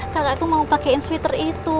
kakak tuh mau pakein sweater itu